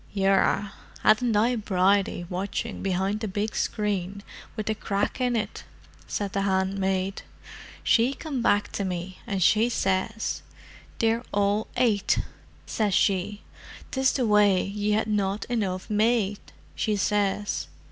"Yerra, hadn't I Bridie watching behind the big screen with the crack in it?" said the handmaid. "She come back to me, and she says, 'They're all ate,' says she: ''tis the way ye had not enough made,' she says.